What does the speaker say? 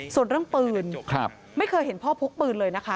ส่วนเรื่องปืนไม่เคยเห็นพ่อพกปืนเลยนะคะ